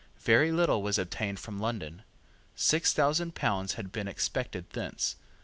Very little was obtained from London. Six thousand pounds had been expected thence.